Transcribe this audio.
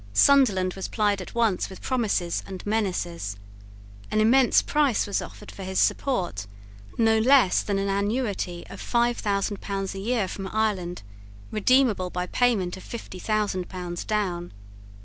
Sunderland was plied at once with promises and menaces. An immense price was offered for his support, no less than an annuity of five thousand pounds a year from Ireland, redeemable by payment of fifty thousand pounds down.